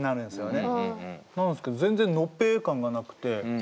なんですけど全然のぺ感がなくて。